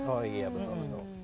oh iya betul betul